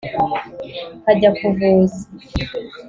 nkajya kuvuza.